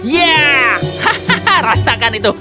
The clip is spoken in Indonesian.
ya hahaha rasakan itu